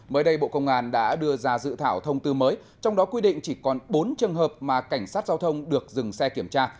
mới đây bộ công an đã đưa ra dự thảo thông tư mới trong đó quy định chỉ còn bốn trường hợp mà cảnh sát giao thông được dừng xe kiểm tra